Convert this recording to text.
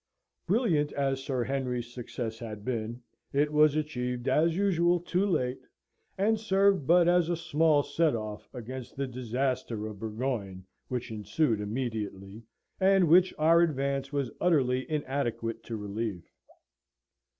Brilliant as Sir Henry's success had been, it was achieved, as usual, too late: and served but as a small set off against the disaster of Burgoyne which ensued immediately, and which our advance was utterly inadequate to relieve.